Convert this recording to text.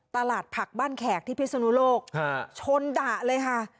ตลาดผักบ้านแขกที่พิศนุโลกชนด่าเลยค่ะ